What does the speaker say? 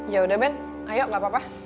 yaudah ben ayo gapapa